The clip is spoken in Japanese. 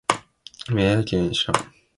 宮城県蔵王町